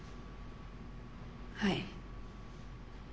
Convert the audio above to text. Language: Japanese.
はい。